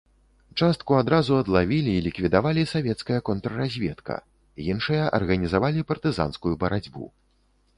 Частку адразу адлавілі і ліквідавалі савецкая контрразведка, іншыя арганізавалі партызанскую барацьбу.